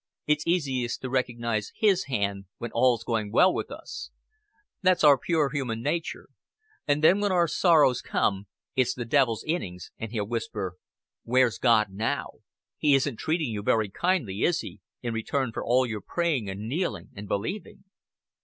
It's easiest to recognize His hand when all's going well with us. That's our poor human nature. And then when our sorrows come, it's the devil's innings, and he'll whisper: 'Where's God now? He isn't treating you very kindly, is He, in return for all your praying and kneeling and believing?'"